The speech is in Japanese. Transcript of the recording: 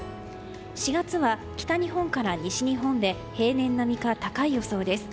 ４月は北日本から西日本で平年並みか高い予想です。